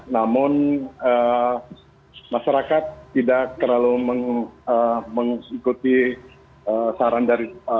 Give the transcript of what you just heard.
namun masyarakat tidak terlalu mengikuti saran dari